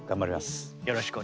よろしくお願いします。